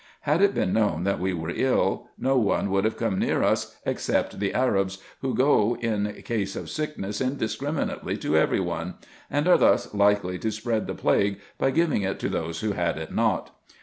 Had it been known that we were ill, IN EGYPT, NUBIA, &c. 3 no one would have come near us, except the Arabs, who go in case of sickness indiscriminately to every one ; and are thus likely to spread the plague, by giving it to those who had it not.